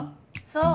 そう。